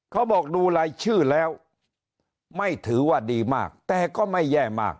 เขาบอกดูรายชื่อแล้วไม่ถือว่าดีมากแต่ก็ไม่แย่มาก